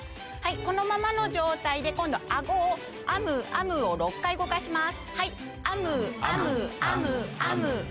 このままの状態で今度アゴを「あむあむ」を６回動かします。